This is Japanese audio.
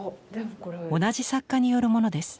同じ作家によるものです。